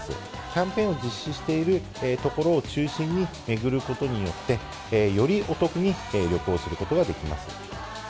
キャンペーンを実施しているところを中心に巡ることによって、よりお得に旅行することができます。